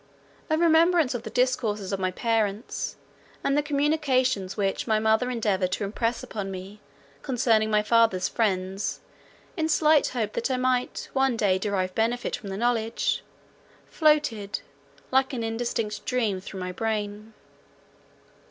A remembrance of the discourses of my parents, and the communications which my mother endeavoured to impress upon me concerning my father's friends, in slight hope that I might one day derive benefit from the knowledge, floated like an indistinct dream through my brain.